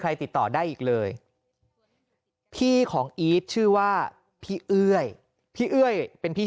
ติดต่อได้อีกเลยพี่ของอีทชื่อว่าพี่เอ้ยพี่เอ้ยเป็นพี่